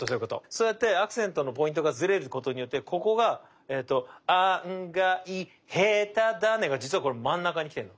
そうやってアクセントのポイントがずれることによってここがえっとあんがい、へただねが実はこの真ん中にきてるの。